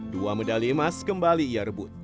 dua medali emas kembali ia rebut